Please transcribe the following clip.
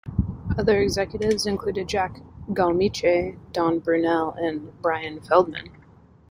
Other executives included Jack Galmiche, John Brunelle and Brian Feldman.